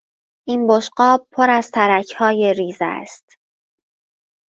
این بشقاب پر از ترکهای ریز است.